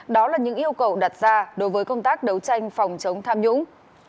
đó là những yêu cầu đặt ra đối với công tác đấu tranh phòng chống tham nhũng